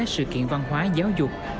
sự kiện văn hóa giáo dục